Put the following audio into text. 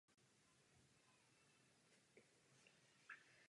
Říkám však, že tato představa je zcela odtržená od reality.